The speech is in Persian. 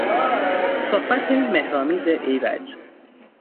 صحبت مهرآمیز ایرج